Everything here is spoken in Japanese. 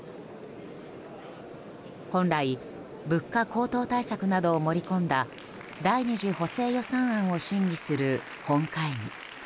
本来、物価高騰対策などを盛り込んだ第２次補正予算案を審議する本会議。